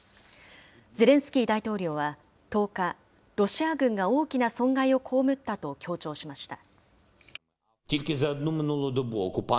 ゼレンスキー大統領は１０日、ロシア軍が大きな損害を被ったと強調しました。